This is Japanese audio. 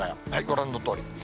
ご覧のとおり。